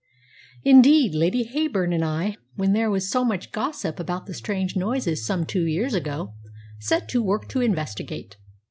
Indeed, Lady Heyburn and I, when there was so much gossip about the strange noises some two years ago, set to work to investigate.